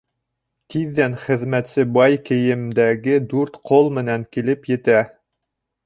Тиҙҙән хеҙмәтсе бай кейемдәге дүрт ҡол менән килеп етә.